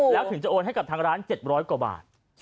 แล้วถึงจะโอนให้กับทางร้าน๗๐๐กว่าบาท